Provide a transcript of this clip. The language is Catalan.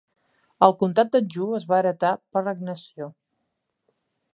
El comtat d'Anjou es va heretar per agnació.